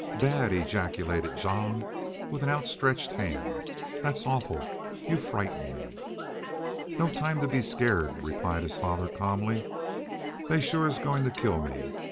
"Dad!" ejaculated Jean, with a hand outstretched. "That's awful! You frighten me." "No time to be scared," replied his father, calmly. "They're shore goin' to kill me.